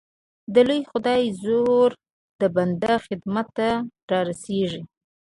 د لوی خدای زور د بنده خدمت ته را رسېږي